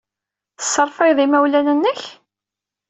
Tesserfayeḍ imawlan-nnek?